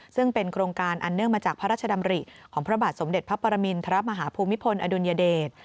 ซึ่งเป็นโครงการอันเนื่องมาจากพระราชดำริของพระบาทสมเด็จพระปรมินทรมาฮภูมิพลอดุลยเดช